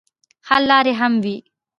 حل لارې هم وي.